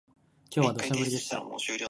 今日は土砂降りでした